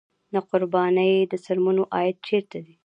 د قربانۍ د څرمنو عاید چیرته ځي؟